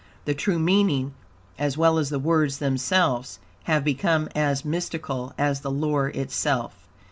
The true meaning, as well as the words themselves, have become as mystical as the lore itself.